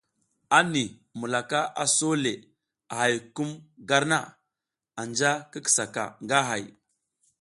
Anti mulaka a so le a hay kum gar na, anja ki kisa ka nga hay.